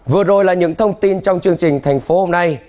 vừa rồi là những thông tin trong chương trình thành phố hôm nay